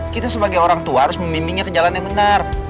kita sebagai orang tua harus memimpingnya ke jalannya benar